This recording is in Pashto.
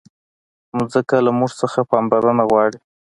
مځکه له موږ څخه پاملرنه غواړي.